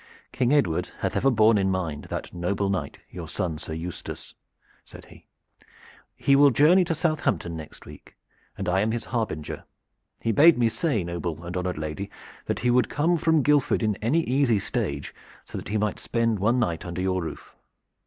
"King Edward hath ever borne in mind that noble knight your son Sir Eustace," said he. "He will journey to Southampton next week, and I am his harbinger. He bade me say, noble and honored lady, that he would come from Guildford in any easy stage so that he might spend one night under your roof."